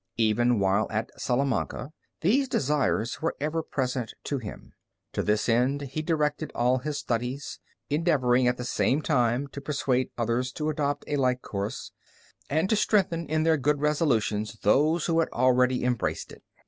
Even while at Salamanca these desires were ever present to him. To this end he directed all his studies, endeavoring at the same time to persuade others to adopt a like course, and to strengthen in their good resolutions those who had already embraced it.